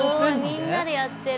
みんなでやってる。